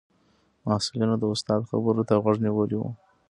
محصلینو د استاد خبرو ته غوږ نیولی و.